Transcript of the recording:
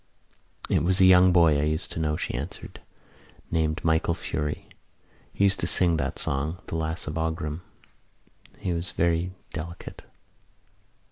"It was a young boy I used to know," she answered, "named Michael Furey. He used to sing that song, The Lass of Aughrim. He was very delicate."